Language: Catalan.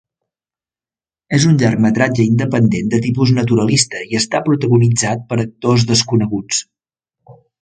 És un llargmetratge independent de tipus naturalista i està protagonitzat per actors desconeguts.